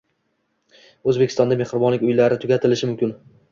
O‘zbekistonda mehribonlik uylari tugatilishi mumkinng